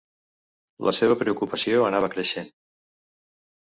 La seva preocupació anava creixent.